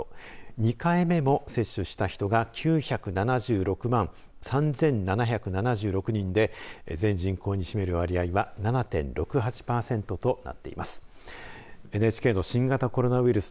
２回目も接種した人が９７６万３７７６人で全人口に占める割合は７．６８パーセントとなっています。